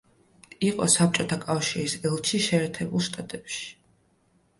იყო საბჭოთა კავშირის ელჩი შეერთებული შტატებში.